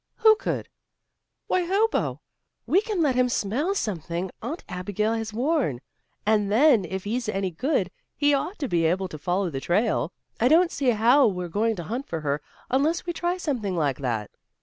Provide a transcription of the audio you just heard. "Who could?" "Why, Hobo. We can let him smell something Aunt Abigail has worn, and then if he's any good, he ought to be able to follow the trail. I don't see how we're going to hunt for her, unless we try something like that."